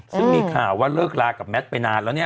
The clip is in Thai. ซึ่งมีข่าวว่าเลิกลากับแมทไปนานแล้วเนี่ย